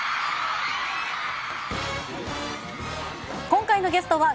今回のゲストは、